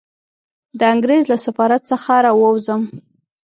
د انګریز له سفارت څخه را ووځم.